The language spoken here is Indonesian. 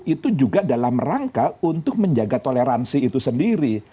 itu juga dalam rangka untuk menjaga toleransi itu sendiri